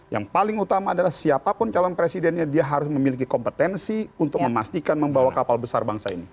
yang paling utama adalah siapapun calon presidennya dia harus memiliki kompetensi untuk memastikan membawa kapal besar bangsa ini